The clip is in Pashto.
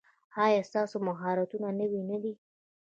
ایا ستاسو مهارتونه نوي نه دي؟